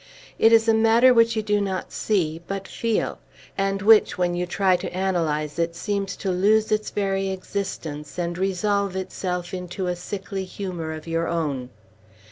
It is a matter which you do not see, but feel, and which, when you try to analyze it, seems to lose its very existence, and resolve itself into a sickly humor of your own.